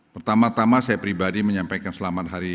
pertama tama saya pribadi menyampaikan selamat hari